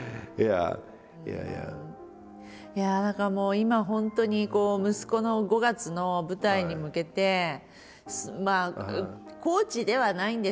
今本当にこう息子の５月の舞台に向けてまあコーチではないんですけど